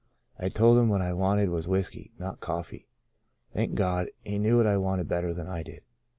I told him what I wanted was whiskey, not cofiee. Thank God, he knew what I wanted better than I did.